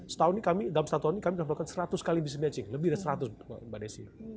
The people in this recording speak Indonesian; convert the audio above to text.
setahun ini kami dalam satu tahun ini kami jualan seratus kali mismatching lebih dari seratus mbak desi